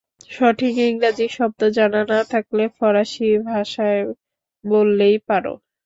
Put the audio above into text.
সঠিক ইংরেজি শব্দ জানা না থাকলে ফরাসি ভাষায় বললেই পার।